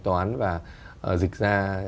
toán và dịch ra